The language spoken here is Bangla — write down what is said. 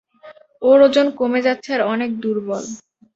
ওর ওজন কমে যাচ্ছে আর অনেক দুর্বল।